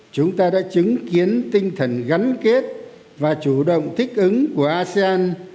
chúng ta đã chứng kiến tinh thần gắn kết và chủ động thích ứng của asean